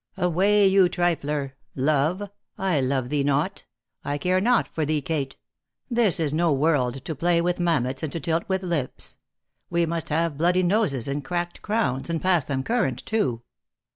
Away, you triflerl Love? I love thee not: I care not for thee, Kate ; this is no world To play with mammets, and to tilt with lips : "We must have bloody noses, and cracked crowns, And pass them current, too.